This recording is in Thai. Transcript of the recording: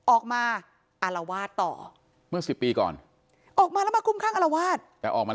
ออกมาอารวาสต่อ